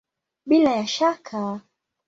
Bila ya shaka!